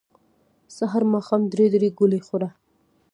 سحر ماښام درې درې ګولۍ خوره